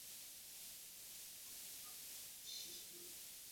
The model was introduced by Fischer Black, Emanuel Derman, and Bill Toy.